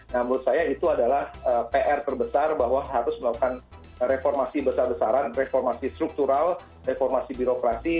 nah menurut saya itu adalah pr terbesar bahwa harus melakukan reformasi besar besaran reformasi struktural reformasi birokrasi